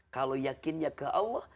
kalau yakinnya ke allah